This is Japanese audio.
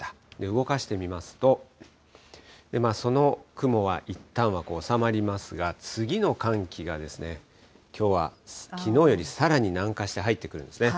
動かしてみますと、その雲はいったんは収まりますが、次の寒気がですね、きょうはきのうよりさらに南下して入ってくるんですね。